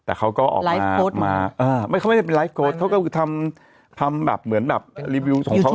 แต่เขาก็ออกมาไม่เขาไม่ใช่เป็นไลฟ์โค้ดเขาก็คือทำแบบเหมือนแบบรีวิวของเขา